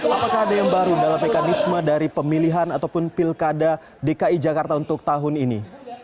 apakah ada yang baru dalam mekanisme dari pemilihan ataupun pilkada dki jakarta untuk tahun ini